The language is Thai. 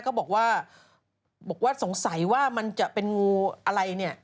ก็บอกว่าบอกว่าสงสัยว่ามันจะเป็นงูอะไรเนี่ย